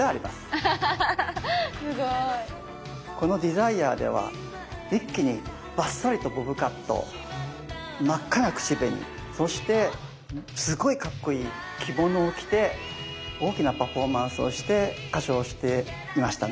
この「ＤＥＳＩＲＥ−情熱−」では一気にばっさりとボブカット真っ赤な口紅そしてすごいかっこいい着物を着て大きなパフォーマンスをして歌唱していましたね。